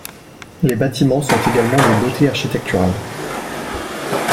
Les bâtiments sont également des beautés architecturales.